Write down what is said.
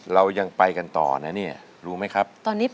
เรายังไปกันต่อนะเนี่ยรู้ไหมครับตอนนี้